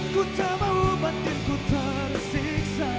ku tak mau bikin ku tersiksa